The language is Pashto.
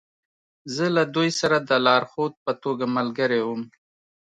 زه له دوی سره د لارښود په توګه ملګری وم